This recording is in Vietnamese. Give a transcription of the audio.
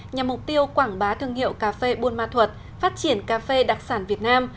nhằm mục tiêu quảng bá thương hiệu cà phê buôn ma thuật phát triển cà phê đặc sản việt nam